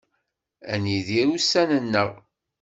Ad nidir ussan-nneɣ.